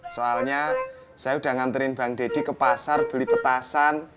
soalnya saya udah nganterin bang deddy ke pasar beli petasan